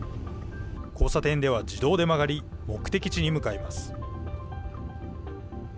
交差点では自動で曲がり、目的地に向かいます。